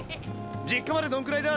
実家までどんくらいだ？